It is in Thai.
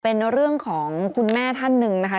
เป็นเรื่องของคุณแม่ท่านหนึ่งนะคะ